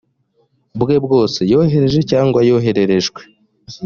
bwe bwose yohereje cyangwa yohererejwe